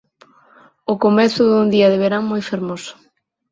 O comezo dun día de verán moi fermoso